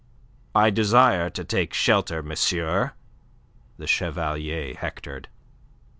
"I desire to take shelter, monsieur," the Chevalier hectored.